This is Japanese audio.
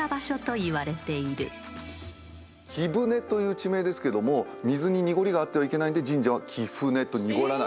貴船という地名ですけども水に濁りがあってはいけないんで神社は「きふね」と濁らない。